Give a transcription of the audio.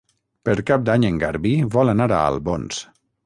Per Cap d'Any en Garbí vol anar a Albons.